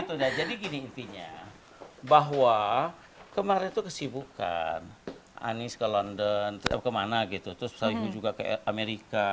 tidak jadi gini intinya bahwa kemarin itu kesibukan anies ke london tetap kemana gitu terus saya ibu juga ke amerika